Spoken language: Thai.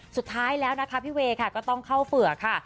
สุดท้ายแล้วนะคะพี่เวย์ค่ะก็ต้องเข้าเฝือกค่ะ